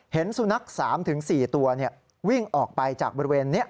เห็นสุนัข๓๔ตัววิ่งออกไปจากบริเวณนี้